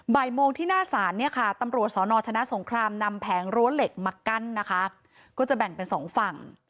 บ่ายโมงที่หน้าศาลเนี่ยค่ะตำรวจสนชนะสงครามนำแผงรั้วเหล็กมากั้นนะคะก็จะแบ่งเป็นสองฝั่ง